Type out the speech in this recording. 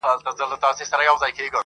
علم ذهن پراخوي.